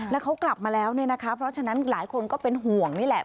แล้วเขากลับมาแล้วเนี่ยนะคะเพราะฉะนั้นหลายคนก็เป็นห่วงนี่แหละ